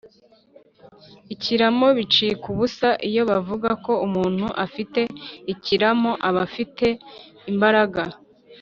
ikiramo bicika ubusa iyo bavuga ko umuntu afite ikiramo aba afite imbaraga